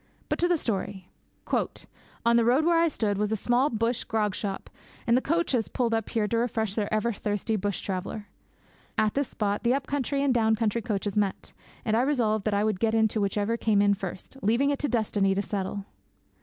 But to the story. 'On the road where I stood was a small bush grog shop, and the coaches pulled up here to refresh the ever thirsty bush traveller. At this spot the up country and down country coaches met, and I resolved that I would get into whichever came in first, leaving it to destiny to settle.